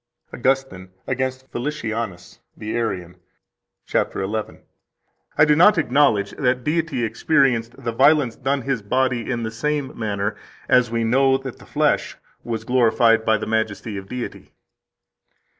111 AUGUSTINE, Against Felicianus the Arian, cap. 11: "I do not acknowledge that Deity experienced the violence done His body in the same manner as we know that the flesh was glorified by the majesty of Deity."